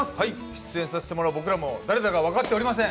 出演させてもらう僕らも誰だか分かっておりません。